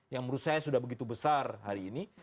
yang menurut saya sudah begitu besar hari ini